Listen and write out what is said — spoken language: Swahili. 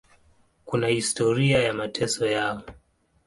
Kuna historia ya mateso yao.